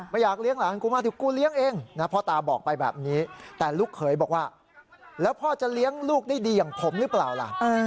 อยากเลี้ยงหลานกูมาเดี๋ยวกูเลี้ยงเองนะพ่อตาบอกไปแบบนี้แต่ลูกเขยบอกว่าแล้วพ่อจะเลี้ยงลูกได้ดีอย่างผมหรือเปล่าล่ะ